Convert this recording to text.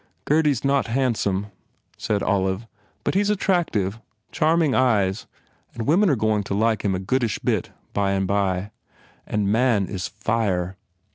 "Gurdy s not handsome," said Olive, "but he s attractive charming eyes and women are going to like him a goodish bit, bye and bye. And man is fire.